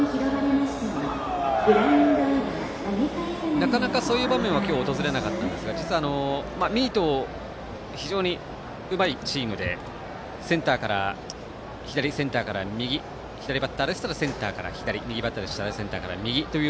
なかなか、そういう場面は今日は訪れなかったんですが実はミートが非常にうまいチームで左バッターでしたらセンターから左右バッターでしたらセンターから右という